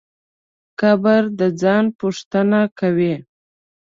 قبر د ځان پوښتنه کوي.